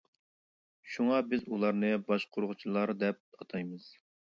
شۇڭا بىز ئۇلارنى باشقۇرغۇچىلار دەپ ئاتايمىز.